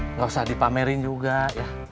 nggak usah dipamerin juga ya